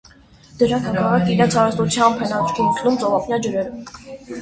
Դրան հակառակ, իրենց հարստությամբ են աչքի ընկնում ծովափնյա ջրերը։